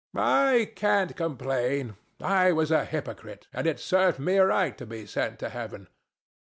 THE STATUE. I can't complain. I was a hypocrite; and it served me right to be sent to heaven.